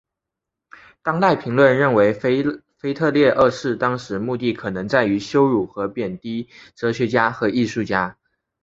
当代评论认为腓特烈二世当时目的可能在于羞辱和贬低哲学家和艺术家。